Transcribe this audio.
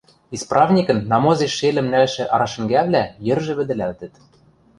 Исправникӹн намозеш шелӹм нӓлшӹ арашӹнгӓвлӓ йӹржӹ вӹдӹлӓлтӹт.